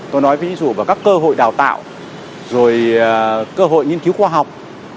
tôi nói ví dụ vào các cơ hội đào tạo rồi cơ hội nghiên cứu khoa học